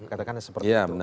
katakanlah seperti itu